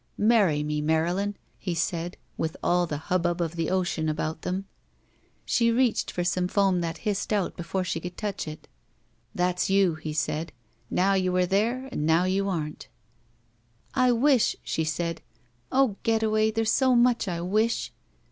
''Marry me, Marylin," he said, with all the hubbub of the ocean about them. She reached for some foam that hissed out before she could touch it. ''That's you," he said. "Now you are there, and now you aren't." "I wish," she said — "oh. Getaway, there's so much I wish!"